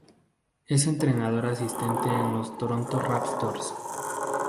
Es entrenador asistente en los Toronto Raptors.